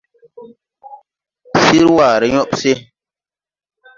Sir ware yõɓ de se.